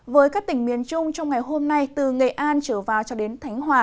với các tỉnh miền trung trong ngày hôm nay từ nghệ an trở vào cho đến thánh hòa